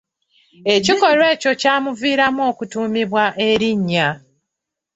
Ekikolwa ekyo kyamuviiramu okutuumibwa erinnya.